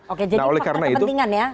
oke jadi pakai kepentingan ya